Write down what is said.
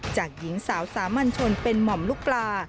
หญิงสาวสามัญชนเป็นหม่อมลูกปลา